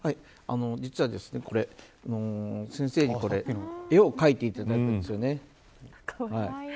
実はこれ、先生に絵を描いていただいたんですよね。